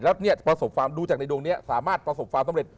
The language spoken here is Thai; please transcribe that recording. แล้วดูจากนี้สามารถประสบฟาวสำเร็จ